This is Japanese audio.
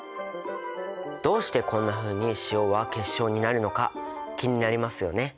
どうしてこんなふうに塩は結晶になるのか気になりますよね。